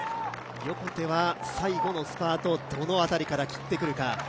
横手は最後のスパート、どの辺りから切ってくるか。